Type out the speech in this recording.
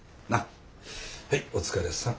はいお疲れさん。